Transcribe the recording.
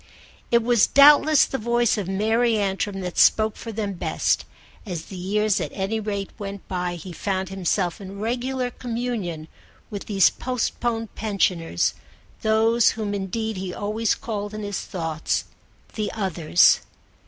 It was doubtless the voice of Mary Antrim that spoke for them best; as the years at any rate went by he found himself in regular communion with these postponed pensioners, those whom indeed he always called in his thoughts the Others.